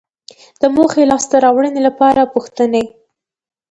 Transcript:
د موخې لاسته راوړنې لپاره پوښتنې